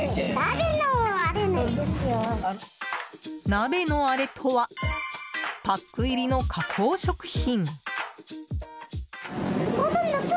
鍋のあれとはパック入りの加工食品。